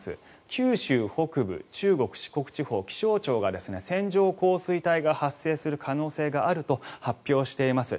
九州北部、中国、四国地方気象庁が線状降水帯が発生する可能性があると発表しています。